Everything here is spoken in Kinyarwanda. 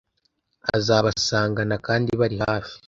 azabasangana kandi bari hafi